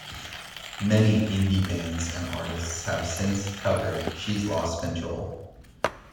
Many indie bands and artists have since covered "She's Lost Control".